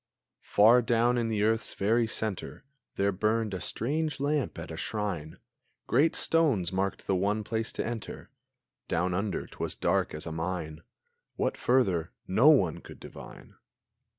Far down in the earth's very centre There burned a strange lamp at a shrine; Great stones marked the one place to enter; Down under t'was dark as a mine; What further no one could divine!